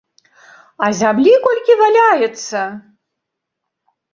А зямлі колькі валяецца!